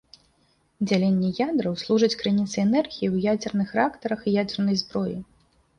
Дзяленне ядраў служыць крыніцай энергіі ў ядзерных рэактарах і ядзернай зброі.